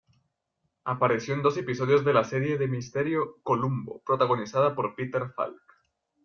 Apareció en dos episodios de la serie de misterio "Columbo", protagonizada por Peter Falk.